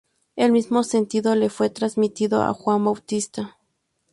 El mismo sentido le fue transmitido a "Juan Bautista".